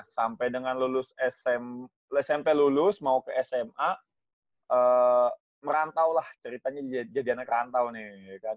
sampai dengan lulus smp smp lulus mau ke sma merantau lah ceritanya jadiannya kerantau nih kan